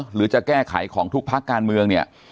หรือจะแก้ไขของทุกพักการเมืองเนี่ย